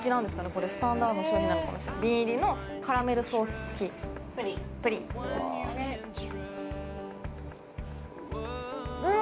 これスタンダードの商品なのかもしれない瓶入りのカラメルソース付きプリンプリンうん！